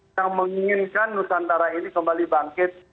yang menginginkan nusantara ini kembali bangkit